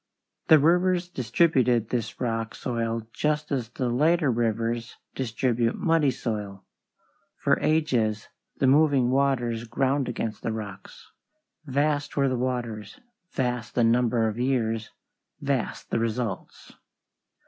The rivers distributed this rock soil just as the later rivers distribute muddy soil. For ages the moving waters ground against the rocks. Vast were the waters; vast the number of years; vast the results.